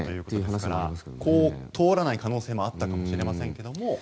ですから、ここを通らない可能性もあったかもしれませんけども。